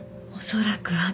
恐らくは。